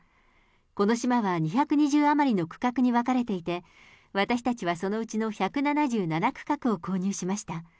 この島は２２０余りの区画に分かれていて、私たちはそのうちの１７７区画を購入しました。